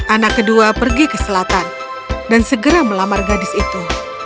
anak kedua pergi ke selatan dan segera melamar gadis itu